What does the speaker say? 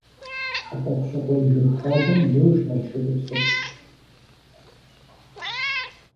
Хьэтӏохъущыкъуей жыг хадэм блож Налшыкыпсыр.